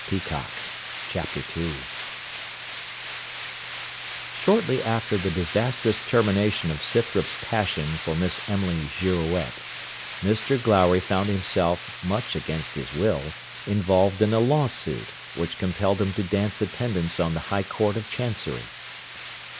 CHAPTER II Shortly after the disastrous termination of Scythrop's passion for Miss Emily Girouette, Mr Glowry found himself, much against his will, involved in a lawsuit, which compelled him to dance attendance on the High Court of Chancery.